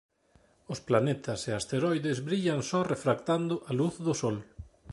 Os planetas e asteroides brillan só refractando a luz do Sol.